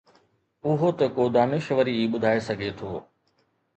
اهو ته ڪو دانشور ئي ٻڌائي سگهي ٿو.